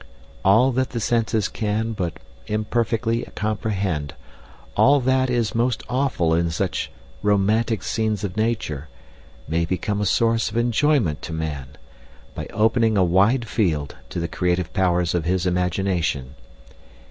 All that the senses can but imperfectly comprehend, all that is most awful in such romantic scenes of nature, may become a source of enjoyment to man, by opening a wide field to the creative powers of his imagination.